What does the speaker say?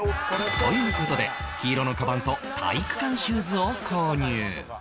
という事で黄色のカバンと体育館シューズを購入